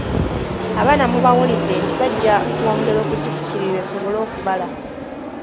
Abaana mubawulidde nti bajja kwongera okugifukirira esobole okubala.